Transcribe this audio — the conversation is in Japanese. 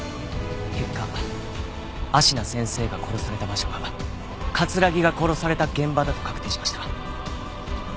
結果芦名先生が殺された場所が木が殺された現場だと確定しました。